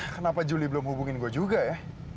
kenapa juli belum hubungin gue juga ya